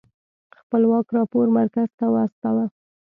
خپلواک راپور مرکز ته واستوه.